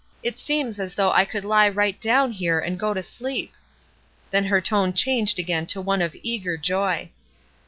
It seems as though I could he right down here and go to sleep." Then her tone changed again to one of eager joy.